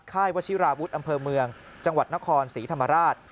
วัชิราวุฒิอำเภอเมืองจังหวัดนครศรีธรรมราช